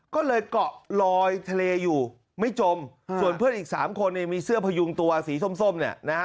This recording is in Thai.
ก็เลยเกาะลอยทะเลอยู่ไม่จมส่วนเพื่อนอีกสามคนเนี่ยมีเสื้อพยุงตัวสีส้มเนี่ยนะฮะ